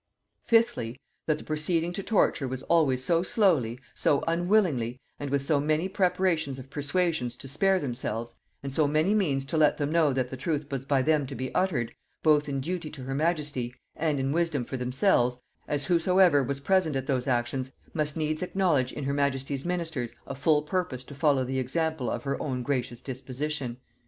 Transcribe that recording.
"Fifthly, that the proceeding to torture was always so slowly, so unwillingly, and with so many preparations of persuasions to spare themselves, and so many means to let them know that the truth was by them to be uttered, both in duty to her majesty, and in wisdom for themselves, as whosoever was present at those actions must needs acknowledge in her majesty's ministers a full purpose to follow the example of her own gracious disposition."...